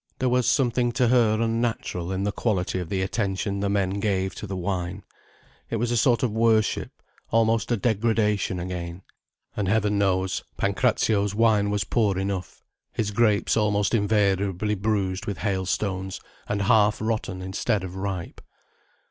There was something to her unnatural in the quality of the attention the men gave to the wine. It was a sort of worship, almost a degradation again. And heaven knows, Pancrazio's wine was poor enough, his grapes almost invariably bruised with hail stones, and half rotten instead of ripe.